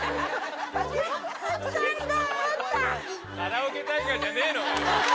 カラオケ大会じゃねぇのかよ